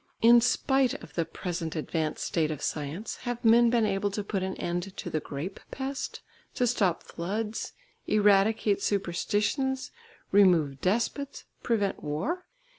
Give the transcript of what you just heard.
In spite of the present advanced state of science, have men been able to put an end to the grape pest, to stop floods, eradicate, superstitions, remove despots, prevent war?